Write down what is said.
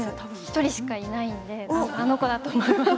１人しかいないので多分あの子だと思います。